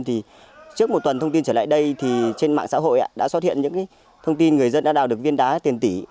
trước một tuần thông tin trở lại đây trên mạng xã hội đã xuất hiện những thông tin người dân đã đào được viên đá tiền tỷ